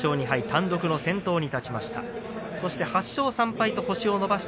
単独の先頭に立ちました。